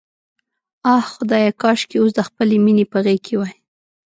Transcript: آه خدایه، کاشکې اوس د خپلې مینې په غېږ کې وای.